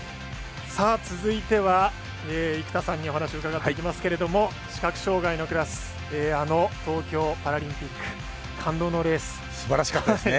続いては、生田さんにお話伺っていきますけれども視覚障がいのクラスあの東京パラリンピックすばらしかったですね。